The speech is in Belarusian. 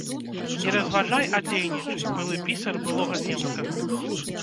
Не разважай, а дзейнічай, былы пісар былога земскага!